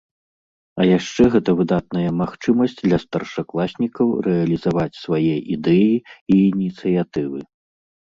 А яшчэ гэта выдатная магчымасць для старшакласнікаў рэалізаваць свае ідэі і ініцыятывы.